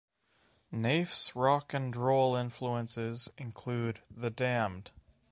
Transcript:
Naiff's rock and roll influences include The Damned.